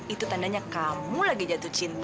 itu tandanya kamu lagi jatuh cinta